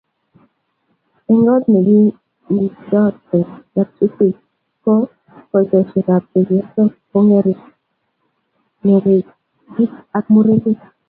Eng kot ne kingoten ngatutik ko koitosiekab chepyosok ko ngering ngekerkeit ak murenik